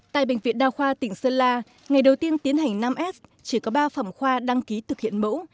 tại bệnh viện đa khoa tỉnh sơn la ngày đầu tiên tiến hành năm s chỉ có ba phẩm khoa đăng ký thực hiện mẫu